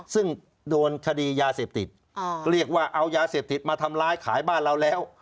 ซึ่งโดนคดียาเสพติดเรียกว่าเอายาเสพติดมาทำร้ายขายบ้านเราแล้ว